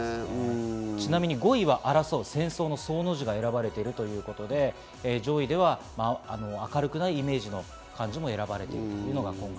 ちなみに５位は争う、戦争の「争」の字が選ばれているということで上位では、明るくないイメージの漢字も選ばれています。